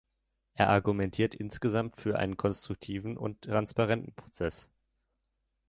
Er argumentiert insgesamt für einen konstruktiveren und transparenten Prozess.